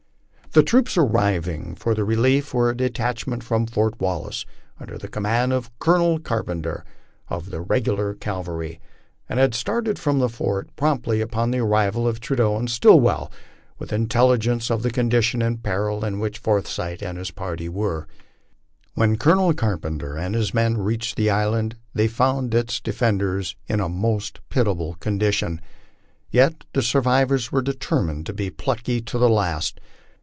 The troops arriving for their relief were a detachment from Fort Wallace under command of Colonel Carpenter of the regular cavalry, and had' started from the fort promptly upon the arrival of Trudeau and Stillwell with intelli gence of the condition and peril in which Forsyth and his party were. When Colonel Carpenter and his men reached the island they found its de fenders in a most pitiable condition, yet the survivors were determined to be plucky to the last.